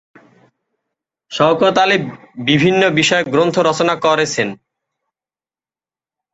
শওকত আলী বিভিন্ন বিষয়ে গ্রন্থ রচনা করেছেন।